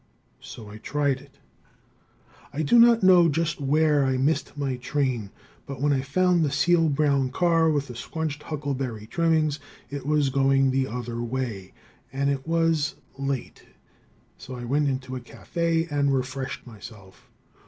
So I tried it. I do not know just where I missed my train, but when I found the seal brown car with scrunched huckleberry trimmings it was going the other way, and as it was late I went into a cafe and refreshed myself.